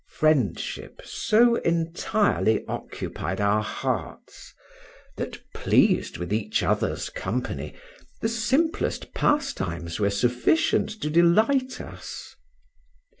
Friendship so entirely occupied our hearts, that, pleased with each other's company the simplest pastimes were sufficient to delight us.